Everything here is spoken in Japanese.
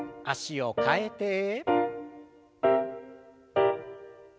脚を替えて。